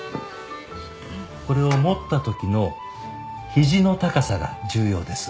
これを持った時のひじの高さが重要です。